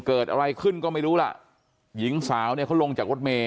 เกิดอะไรขึ้นก็ไม่รู้ล่ะหญิงสาวเนี่ยเขาลงจากรถเมย